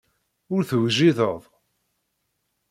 Ur tewjideḍ.